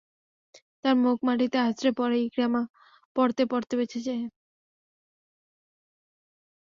তার মুখ মাটিতে আছড়ে পড়ে ইকরামা পড়তে পড়তে বেঁচে যায়।